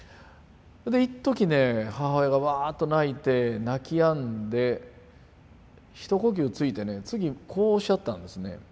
いっときね母親がワーッと泣いて泣きやんで一呼吸ついてね次こうおっしゃったんですね。